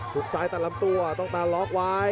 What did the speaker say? ซ้ายตัดลำตัวต้องตาล็อกไว้